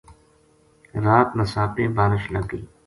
رات نساپے بارش لگ گئی